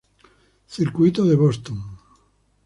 Circuito de Boston.